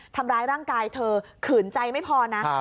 ทำร้ายร่างกายเธอขืนใจไม่พอนะ